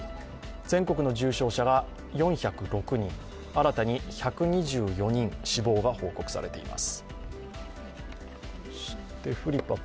全国の重症者は４０６人新たに１２４人死亡が報告されています。